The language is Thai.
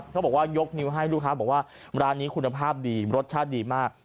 เขาบอกว่ายกนิ้วให้ลูกค้าบอกว่าร้านนี้คุณภาพดีรสชาติดีมาก